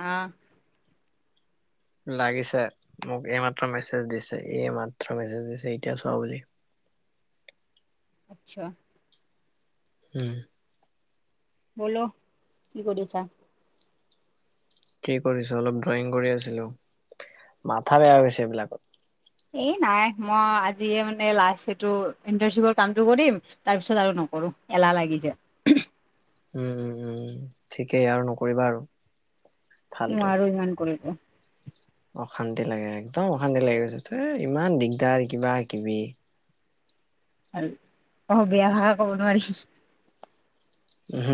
আহ লাগিছে মোক এইমাত্ৰ মেছেজ দিছে এই মাত্ৰ মেছেজ দিছে এতিয়া চোৱা বুলি। আচ্ছা উম বলো কি কৰিছা? কি কৰিছো অলপ ড্ৰয়িং কৰি আছিলো, মাথা বেয়া হৈ গৈছে এইবিলাকত। এ নাই মই আজিয়ে মানে লাষ্ট এইটো ইণ্টাৰশ্বিপৰ কামটো কৰিম। তাৰপিছত আৰু নকৰো, এলাহ লাগি যায়। উম' উম' ঠিকেই আৰু নকৰিবা আৰু। ফাল্টু নোৱাৰোঁ ইমান কৰিব। অশান্তি লাগে একদম অশান্তি লাগি গৈছে, থে ইমান দিগদাৰ কিবা কিবি। অ বেয়া ভাষা কব নোৱাৰি।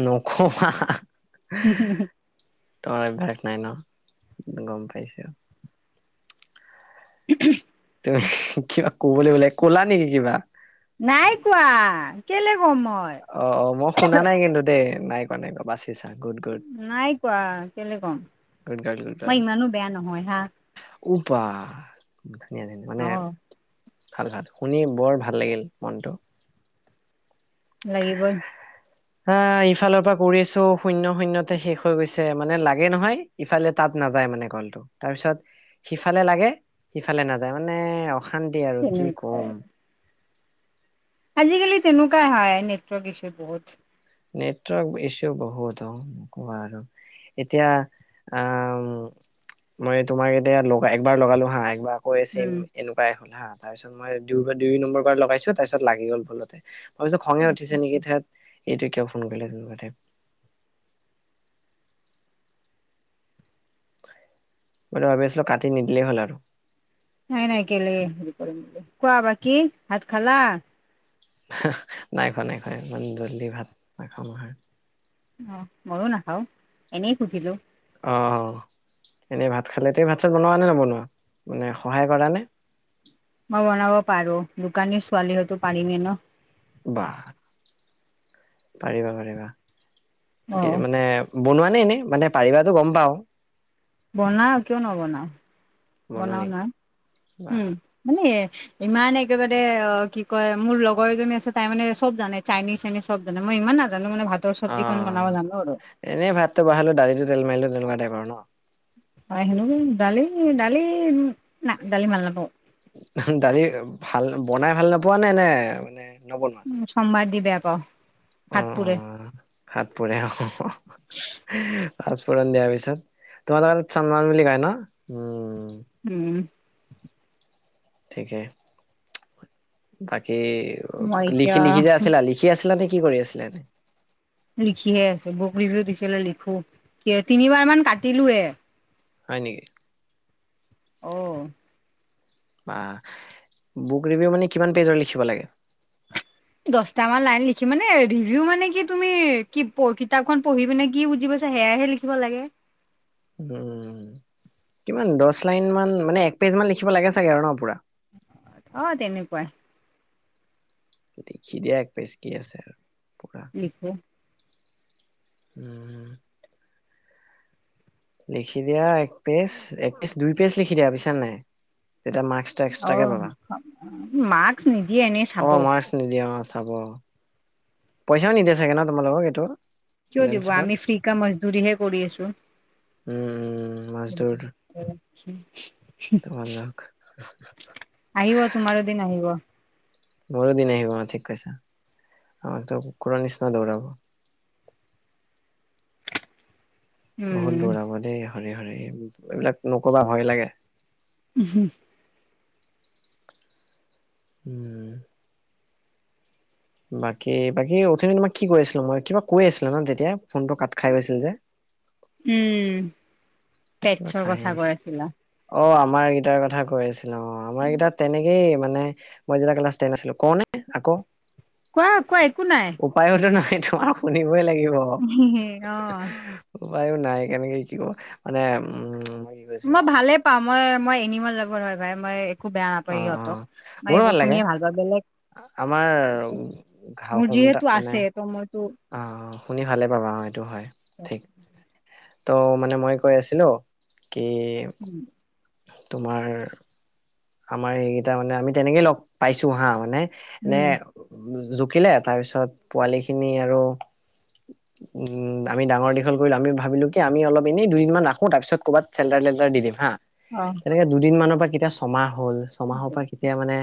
নকবা। তোমাৰ অভ্যাস নাই ন, গম পাইছো। [unintelligible] কিবা ক'বলে উলাই, ক'লা নেকি কিবা? নাইকোৱা কেলে কম মই। অ' অ' মই শুনা নাই কিন্তু দেই, নাই কোৱা নাই কোৱা বাছ চাং ঘৰত। নাই কোৱা কেলে ক'ম, মই ইমানো বেয়া নহয় হা। উ বাহ অ মানে ভাল, ভাল শুনি বৰ ভাল লাগিল মনটো। লাগিব নি। আ ইফালৰ পৰা কৰিছোঁ, শূন্য শূণ্যতে শেষ হৈ গৈছে, মানে লাগে নহয়। ইফালে তাত নাযায় মানে কলটো, তাৰপিছত সিফালে লাগে ইফালে নাযায় মানে। অশান্তি আৰু কি তেনেকুৱাই ক'ম। আজিকালি তেনেকুৱাই হয় নেটৱাৰ্ক ইছু বহুত। নেটৱাৰ্ক ইছু বহুত অহ নকবা আৰু। এতিয়া আ মই তোমাক এতিয়া লগা একবাৰ লগালো হা একবাৰ। কৈ আছে উম এনেকুৱাই হ'ল হা, তাৰপিছত মই দুই দুই নম্বৰবাৰ লগাইছো তাৰপিছত লাগি গ'ল ভুলতে। ভাৱিছো খঙে আচ্ছা উঠিছে আচ্ছা, নেকি ধেৎ, এইটো কিয় ফোন কৰিলে সেনেকুৱা টাইপ। মইটো ভাবি আছিলোঁ কাটি নিদিলেই হ'ল আৰু। নাই নাই কেলে হেৰি কৰিম, কোৱা বাকী ভাত খালা? নাই খোৱা, নাই খোৱা ইমান জল্দি ভাত নাখাওঁ নহয়। অ' মইয়ো নাখাওঁ এনেই সুধিলো। অ এনেই ভাত খালে, তই ভাত চাত বনোৱা নে নবনোৱা, মানে সহায় কৰা নে? মই বনাব পাৰো দোকানীৰ ছোৱালী হৈ ত পাৰিমে ন। বাহ' পাৰিবা পাৰিবা অ দে মানে বনোৱা নে এনে? মানে পাৰিবাটো গম পাওঁ। বনাও কিয় নবনাও, বনোৱা বনাও নেকি না বা হম' মানে ইমান একেবাৰে অ' কি কয় মোৰ লগৰ এজনী আছে, তাই মানে চব জানে চাইনিজ চাইনিজ। চব জানে, মই ইমান নাজানো মানে ভাত আৰু চব্জিকণ বনাব জানো আৰু। এনে ভাতটো বহালো, দালিটো তেল মাৰিলো, তেনেকুৱা টাইপ আৰু ন। হয়' সেনেকুৱাই দালি দালি, উম নাহ দালি ভাল নাপাওঁ। দালি ভাল, বনাই ভাল নপোৱা নে নে মানে নবনোৱা উম' সোমবাৰ দি বেয়া পাওঁ, অঁ হাত পুৰে। অঁ হাত পুৰে। [unintelligible] পাচপূৰণ দিয়া পিছত, তোমালোকৰ তাত চম্বাৰ বুলি কয় ন, উম' উম। ঠিকে, বাকী মই লিখি এতিয়া লিখি যে আছিলা লিখি খি আছিলা নে কি কৰি আছিলা এনে? লিখিয়ে আছো। বুক ৰিভিউ দিছিলে লিখো। কি তিনিবাৰ মান কাটিলোয়ে। হয় নেকি। অ'। বা, বুক ৰিভিউ মানে কিমান পেজৰ লিখিব লাগে? দছটা মান লাইন লিখি মানে ৰিভিউ মানে কি তুমি, কি কিতাপখন পঢ়ি কিনে কি বুজি পাইছা সেয়াহে লিখ ব লাগে। উম, কিমান দছ লাইন মান মানে, এক পেজ মান লিখিব লাগে চাগে আৰু ন পুৰা। অ', তেনেকুৱাই। লিখিদিয়া এক পেজ কি আছে আৰু। পুৰা। লিখো। উ, উ। লিখি দিয়া এক পেজ, এক পেজ দুই পেজ লিখি দিয়া বুইছানে নাই। তেতিয়া মাৰ্ক্স অ', মাস্ক নিদিয়ে এনেই অ চাব। মাৰ্কচ নিদিয়ে অ', চাব। পইচাও নিদিয়ে চাগে ন, তোমালোকক এইটো। কিয় দিব। ইণ্টাৰ্ণশ্বিপত আমি ফ্ৰি কা মজদুৰিহে কৰি আছো। উম উম মাছ দৌৰ তোমালোক [inaudible] আহিব, তোমাৰো দিন আহিব। মোৰো দিন আহিব ঠিক কৈছা, আমাকটো কুকুৰৰ নিচিনা দৌৰাব। বহুত উম দৌৰাব দেই, হৰি, হৰি। এইবিলাক নকবা ভয় লাগে। [inaudible] উ। বাকী, বাকী অথমি তোমাক কি কৈ আছিলো মই, কিবা কৈ আছিলো ন তেতিয়া ফোনটো কাট খাই গৈছিল যে। উ। কিবা কাহিনী। অ', আমাৰ এইকিটাৰ কথা কৈ আছে। অ', আমাৰ এই কেইটা তেনেকেই মানে, মই তেতিয়া ক্লাছ টেন আছিলোঁ, কওনে আকৌ? কোৱা, কোৱা, একো নাই। উপায়োতো নাই তোমাৰ শুনিবই লাগিব। অ উপায়ো নাই কেনেকে কি কও, মানে উম। কৈছিলো মই অ ভালে পাওঁ, মই মই এনিমেল লাভাৰ হয় ভাই, মই একো বেয়া অ নাপায় অ ইহঁতক, মই মোৰো এইবোৰ ভাল লাগে শুনিয়ে ভালপাওঁ। বেলেগ আমাৰ ঘাঁহ মোৰ সোমটা যিহেতু মানে আছে। ত' মইতো অ', শুনি ভালে পাবা। অ', এইটো হয়, ঠিক। ত' মানে মই কৈ আছিলো, কি উ। তোমাৰ আমাৰ এইকেইটা মানে, আমি তেনেকেই লগ পাইছো হা মানে, এনে উম জু-জুখিলে তাৰ পিছত পোৱালি খিনি আৰু উম, আমি ডাঙৰ দীঘল কৰিলো, আমি ভাবিলোঁ কি আমি অলপ এনেই দুই এদিনমান ৰাখো তাৰ পিছত ক'ৰবাত চেল্টাৰ টেল্টাৰে দি দিম হাঁ। অ'। এ, দুদিন মানৰ পৰা কেতিয়া ছমাহ হ'ল, ছমাহৰ পৰা কেতিয়া মানে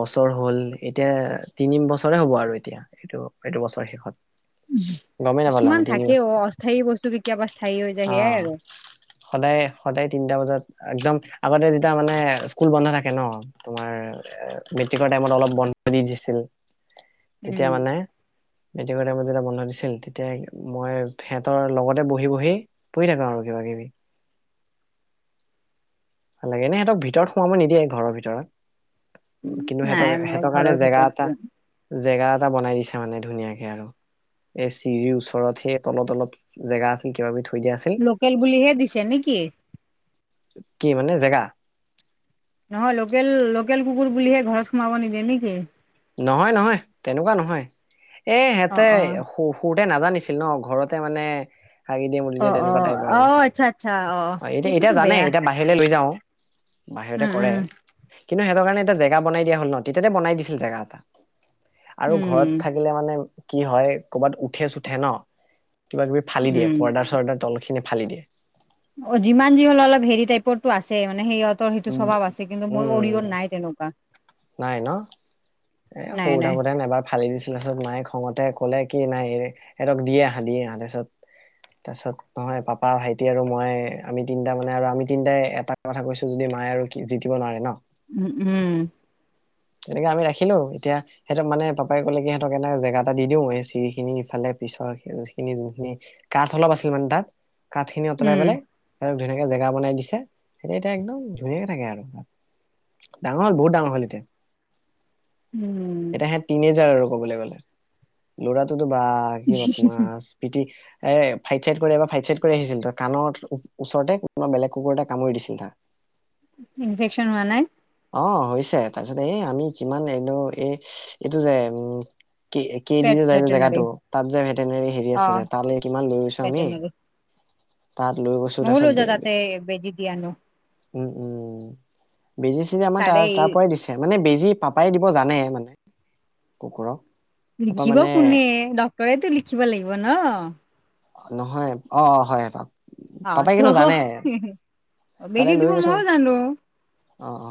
বছৰ হ'ল, এতিয়া তিনি বছৰে হ'ব আৰু এতিয়া। এইটো এইটো বছৰ শেষত। গমেই নাপালো কিছুমান আমি তিনি থাকে বছৰ অ', অস্থায়ী বস্তু কেতিয়াবা স্থায়ী হৈ যায় সেয়াই অ', আৰু। সদায়, সদায় তিনটা বজাত একদম আগতে যেতিয়া মানে স্কুল বন্ধ থাকে ন' তোমাৰ মেট্ৰিকৰ টাইমত অলপ বন্ধ দি দিছিল। উম তেতিয়া মানে মেট্ৰিকটাইমত যেতিয়া বন্ধ দিছিল, তেতিয়া মই সিহঁতৰ লগতে বহি বহি পঢ়ি থাকো আৰু কিবা কিবি। ভালাগে এনে সহতক ভিতৰত সোব নিদিয়ে ঘৰৰ ভিতৰত। কিন্তু নাই সিহঁতৰ- মই সিহতৰ কাৰণে ঘৰৰ জেগা ভিতৰত এটা দিওঁ জেগা এটা বনাই দিছে মানে ধুনীয়াকে আৰু। এই চিৰিৰ ওচৰত সেই তলত- তলত জেগা আছিল কিবা কিবি থৈ দিয়া আছিল। লোকেল বুলিহে দিছে নেকি? কি মানে জেগা? নহয় লোকেল- লোকেল কুকুৰ বুলিহে ঘৰত সোমাব নিদিয়ে নেকি? নহয় নহয় তেনেকুৱা নহয় অ এহেতে অ সু সৰুতে নাজানিছিল ন' ঘৰতে মানে হাগি দিয়ে মুদ অ দিয়ে অ তেনেকুৱা টাইপ অ আৰু, আচ্ছা আচ্ছা অ' এতিয়া এতিয়া সেইটোতো জানে বেয়া এতিয়া বাহিৰলৈ লৈ যাওঁ। বাহিৰতে উম কৰে। উম কিন্তু সহতৰ কাৰণ এটা জেগা বনাই দিয়া হ'ল ন', তেতিয়াতে বনাই দিছিল জেগা এটা। আৰু উম ঘৰত থাকিলে মানে কি হয়, কৰ'বাত উঠে-চুঠে ন'। কিবা কিবি ফালি দিয়ে উম পৰ্দাৰ-চৰ্দাৰ তলখিনি ফালি দিয়ে। অ', যিমান যি হলে অলপ হেৰি টাইপৰ টো আছে, মানে সেহতৰ সেইটো উম চভাৱ আছে। আছে কিন্তু মোৰ উম অৰিঅৰ নাই তেনেকুৱা। নাই ন', এ' সৰু নাই নাই থাকোঁতে নাইবা ফালি দিছিল তাৰপিছত নাই খঙতে ক'লে কি নাই, এহতক দি এহালি দিয়ে তাৰিছত তাৰ পিছত মই পাপা, ভাইট তে আৰু মই আমি তিনিটা মানে আৰু আমি তিনটাই এটা কথা কৈছো যদি মায়ে আৰু জিতিব নোৱাৰে ন'। উম', উম',। তেনেকে আমি ৰাখিলো এতিয়া সিহঁতক মানে পাপাই কলে কি সিহঁতক এটা জেগা এটা দিও, এই চিৰি খিনি ইফালে পিছৰিখিনি যোনখিনি কাঠ অলপ আছিল মানে তাত, কাঠ খিনি অঁতলাই উম পেলাই ধুনীয়াকে জেগা বনাই দিছে, সেই এতিয়া একদম ধুনীয়াকে থাকে আৰু। ডাঙ বহুত ডাঙৰ হ'ল এতিয়া। এটা হে তিনেজাৰ আৰু কবলৈ গ'লে, ল'ৰাটোতো বা লাগিব তোমাৰ স্মৃতি এ' ফাইট-চাইড কৰি বা ফাইট-চাইড কৰি আহিছিল, তই কাণৰ ওচৰতে কোনোবা বেলেগ কুকুৰ এটা কামুৰি দিছিল তাৰ। ইনফেকশ্যন হোৱা নাই? অ', হৈছে তাৰপিছত এই আমি কিমান এনে এই এইটো যে উম', কেইদি যে যাই যে জেগাটো, তাত যে ভেটেনেৰি হেৰি আছে যে তালৈ কিমান লৈ গৈছো আমি। তাত লৈ গৈছো মইও লৈ তাৰপিছত বে- যাওঁ বে তাতে বেজি দি আনো উম', উম',। বেজি-চেজি আমাৰ তাৰে তাৰ এই তাৰ পৰাই দিছে, মানে বেজি পাপাই দিব জানে মানে কুকুৰক। পাপা লিখিব মানে কোনে ডক্তৰেতো লিখিব লাগিব ন'। নহয় অ' হয়ঁতক। আহ', ত' তালৈ বেজি লৈ দিব গৈছো মও জানো। অ অ অ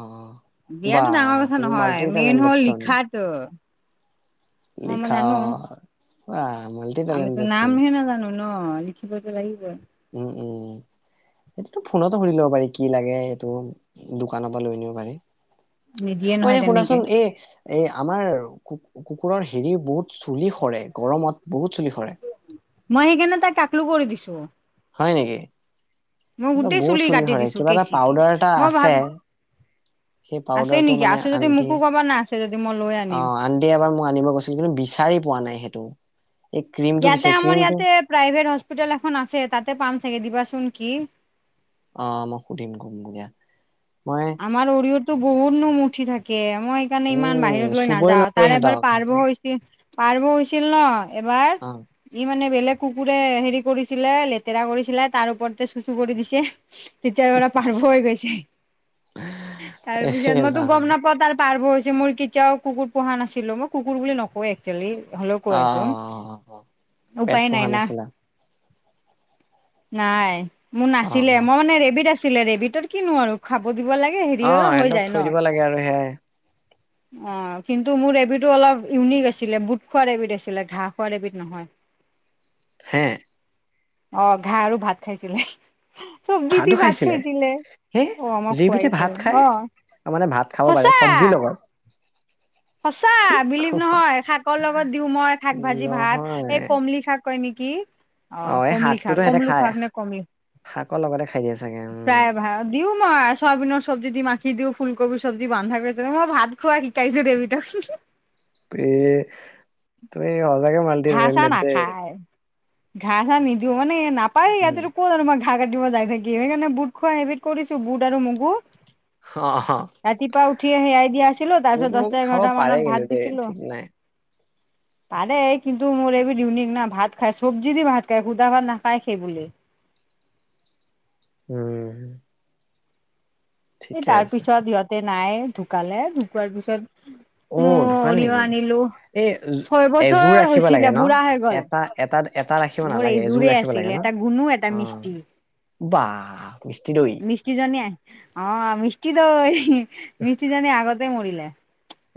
বা দিয়াতো ডাঙৰ কথা তুমি নহয়, মাল্টি মেইন টেলেণ্টেড হ'ল চোন লিখাটো। অ মই লিখা জানো অ' বাঁহ মাল আমিতো নামহে নাজানো ন' লিখিবতো লাগিবই। উম', উম',। সেইটো টো ফোনতো সুধি লব পাৰি কি লাগে এইটো দোকানৰ পৰা লৈ আনিব পাৰি। নিদিয়ে ঐ নহয় এনে তেনেকে শুনাচোন এ এই আমাৰ ক কুকুৰৰ হেৰি বহুত চুলি সৰে। গৰমত বহুত চুলি সৰে। মই সেইকাৰণে তাইক তাকলু কৰি দিছো। হয় নেকি মই এই গোটেই বহুত চুলি কাটি সৰে দিছো কিবা এটা কেঁচি দি পাউদাৰ এটা মই আছে। ভাবি সেই আছে পাউদাৰটো নেকি মানে আছে যদি আন্টি মোকো ক'বা না আছে যদি মই লৈ আনিম অ' আ এয়া এবাৰ মই আনিব কৈছিলো কিন্তু বিচাৰি পোৱা নাই সেইটো এই ক্ৰীমটো ইয়াতে বিচাৰ আমাৰ ক্ৰীমটো ইয়াতে প্ৰাইভেট হস্পিটেল এখন আছে তাতে পাম চাগে দিবাচোন কি অ' মই সুধিম [unintelligible] মই আমাৰ অৰিয়ৰটো বহুত নোম উঠি থাকে মই সেইকাৰণে ইমান উম বাহিৰত লৈ চুবই নাযাও নোৱাৰি তাৰ এবাৰ সিহঁতক পাৰ্ব সিহঁতক হৈ পাৰ্ব হৈছিল ন এবাৰ অ ই মানে বেলেগ কুকুৰে হেৰি কৰিছিলে লেতেৰা কৰিছিলে তাৰ ওপৰতে চুচু কৰি দিছে। তেতিয়াৰ পৰা পাৰ্ব হৈ গৈছে। এ তাৰপিছত মইতো ৰাম। গম নাপাঁও তাৰ পাৰ্ব হৈছে মোৰ কি কেতিয়াও কুকুৰ পোহা নাছিলো মই কুকুৰ বুলি নকওঁ এ হ'লেও কৈ অ অ আছো অ অ পেট উপায় নাই পোহা না। নাছিলা নাই মোৰ অ নাছিলে অ মই মানে ৰেবিত আছিল আছিলে ৰেবিটৰ কিনো আৰু খাব দিব লাগে হেৰি অ হৈ সিহঁতক যায় থৈ ন। দিব লাগে আৰু [unintelligible] অ' কিন্তু মোৰ ৰেবিট টো অলপ ইউনিক আছিলে বুট খোৱা ৰেবিট আছিলে ঘাঁহ খোৱা ৰেবিট নহয়। হে অ' ঘাঁহ আৰু ভাত খাইছিলে, চব্জি দি ভাত খাইছিলে হে অ' আমাৰ [unintelligible] যিবিধে ভাত খাই অ' মানে ভাত খাব পাৰে সঁচা। [unintelligible] সঁচা কি বিলিভ কবা নহয় শাকৰ লগত দিও মই শাক ভাজি ভাত, এই নহয় কমলি শাক কয় নেকি। অ' এই কমলি শাকটোতো শাক সিহঁতে কমলু খায় শাক নে কমলি শাকৰ লগতে খাই দিয়ে চাগে উম। দিওঁ মই চয়াবিনৰ চব্জি দি, মাখি দিও ফুলকবি চব্জি বান্ধা কৰিছে মই ভাত খোৱা শিকাইছো ৰেবিটক বে তই সঁচাকে মাল [unintelligible] ঘাঁহ চাহ নাখায়, ঘাঁহ চাহ নিদিও মানে নাপায় ইয়তে উম ক'ত [unintelligible] ঘাঁহ কাটিব যায় থাকিম, সেইকাৰণে বুট খোৱা হেবিট কৰিছো বুট আৰু মগু অ ৰাতিপুৱা উঠি সেয়াই দিয়া আছিলো তাৰ বুট পিছত মগু দহটা খাব এঘাৰটা পাৰে মানত কিন্তু ভাত দেই দিছিলো। [inaudible] পাৰে কিন্তু মোৰ ৰেবিচ ইউনিক না ভাত খায়, চব্জি দি ভাত খায় সুধা ভাত নাখায় সেইবুলি উম। এই ঠিকে তাৰ আছে পিছত সিহঁতে নাই ঢুকালে ঢুকোৱাৰ পিছত অ মই ঢুকাল অৰিও নেকি আনিলো, এই ছয় এযোৰ বছৰ ৰাখিব লাগে হৈছিলে ন বুঢ়া হৈ গ'ল। এটা এটা এটা ৰাখিব মোৰ নালাগে এযোৰ এইযোৰে ৰাখিব আছিল এটা গুণো এটা মিষ্টি। বাহ মিষ্টি দৈ মিষ্টি জনী অ' মিষ্টি দৈ, মিষ্টি জনী আগতে মৰিলে।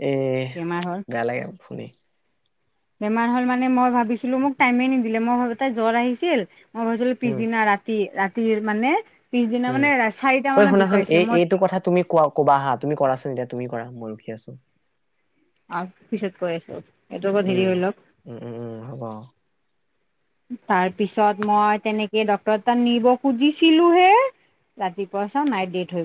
এ বেমাৰ হ'ল বেয়া লাগে শুনি। বেমাৰ হ'ল মানে মই ভাবিছিলো মোক টাইমে নিদিলে মই ভাবো তাই জ্বৰ আহিছিল মই ভাবিছিলো উম পিছদিনা ৰাতি ৰাতি, ৰাতিৰ মানে পিছদিনা উম। মানে চাৰিটা ঐ মানত শুনাচোন ঢুকাইছে এই, মই এইটো কথা তুমি কোৱা ক'বা হা তুমি কৰাচোন এতিয়া তুমি কৰা মই ৰখি আছো আহ পিছত কৰি আছো এইটো অলপ উম দেৰি হৈ লওক উম উম উম হ'ব তাৰ পিছত মই তেনেকে ডক্টৰৰ তাত নিব খুজিছিলো হে ৰাতিপুৱা চাওঁ নাইট ডেট হৈ